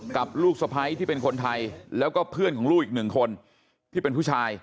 ลูกสะพ้ายที่เป็นคนไทยแล้วก็เพื่อนของลูกอีกหนึ่งคนที่เป็นผู้ชาย